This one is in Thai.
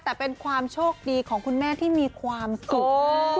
แต่เป็นความโชคดีของคุณแม่ที่มีความสุข